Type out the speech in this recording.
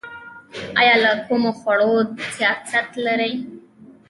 ایا له کومو خوړو حساسیت لرئ؟